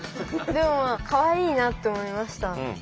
でもかわいいなって思いました。